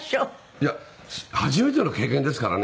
いや初めての経験ですからね。